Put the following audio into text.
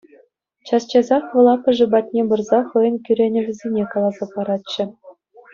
Час-часах вӑл аппӑшӗ патне пырса хӑйӗн кӳренӗвӗсене каласа паратчӗ.